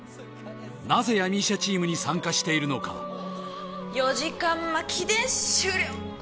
なぜ闇医者チームに参加しているのか４時間まきで終了